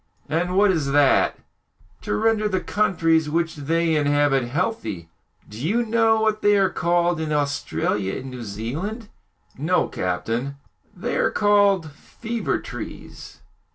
"And what is that?" "To render the countries which they inhabit healthy. Do you know what they are called in Australia and New Zealand?" "No, captain." "They are called 'fever trees.'"